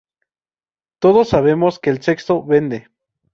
Todos sabemos que el sexo vende".